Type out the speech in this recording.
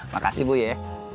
makasih bu ya